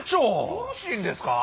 よろしいんですか？